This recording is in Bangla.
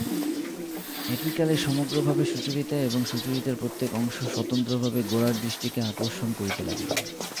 একই কালে সমগ্রভাবে সুচরিতা এবং সুচরিতার প্রত্যেক অংশ স্বতন্ত্রভাবে গোরার দৃষ্টিকে আকর্ষণ করিতে লাগিল।